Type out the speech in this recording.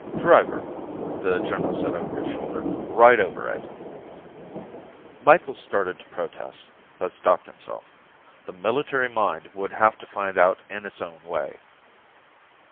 "Driver," the general said over his shoulder. "Ride over it." Micheals started to protest, but stopped himself. The military mind would have to find out in its own way.